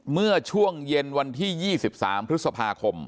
เมื่อช่วงเย็นวันที่๒๓พฤษภาคม